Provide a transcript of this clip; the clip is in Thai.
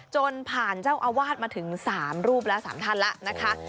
จนผ่านเจ้าอาวาสมาถึง๓รูปแล้ว๓ท่านแล้วนะคะ